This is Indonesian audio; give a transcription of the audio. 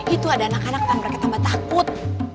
itu ada anak anak tanpa mereka tambah takut